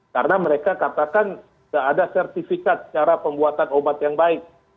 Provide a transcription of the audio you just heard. karena mereka katakan nggak ada sertifikat cara pembuatan obat yang baik